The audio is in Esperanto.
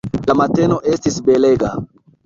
La mateno estis belega.